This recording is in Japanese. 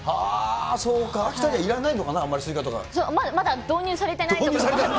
そうか、秋田にはいらないのまだ導入されてない所なので。